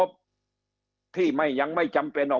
คำอภิปรายของสอสอพักเก้าไกลคนหนึ่ง